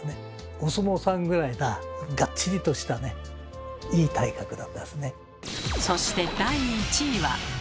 お相撲さんぐらいながっちりとしたねいい体格だったですね。